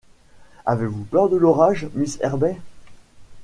Avez-vous peur de l’orage, miss Herbey?